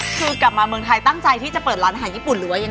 คือกลับมาเมืองไทยตั้งใจที่จะเปิดร้านอาหารญี่ปุ่นหรือว่ายังไง